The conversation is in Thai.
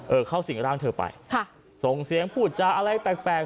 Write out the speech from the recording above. อ๋อเออเข้าสิ่งร่างเธอไปค่ะส่งเสียงพูดจ๋าอะไรแปลก